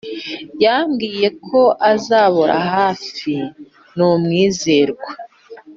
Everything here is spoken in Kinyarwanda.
Yabwiyeko azambora hafi numwizerwa